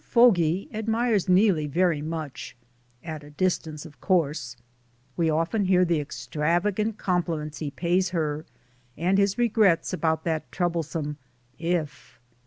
Fogy admires Neelie very much (at a distance, of course), we often hear the ex travagant compliments he pays her, and his regrets about that troublesome "if."